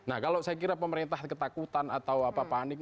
nah kalau saya kira pemerintah ketakutan atau apa panik